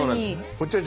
こっちはね